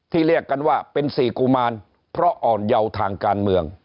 เรียกกันว่าเป็นสี่กุมารเพราะอ่อนเยาว์ทางการเมือง